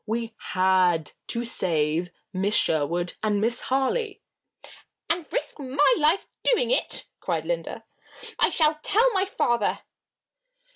We had to save Miss Sherwood and Miss Harley." "And risk my life doing it!" cried Linda. "I shall tell my father."